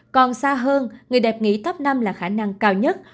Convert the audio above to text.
còn xa hơn người đẹp nghĩ top năm là khả năng cao nhất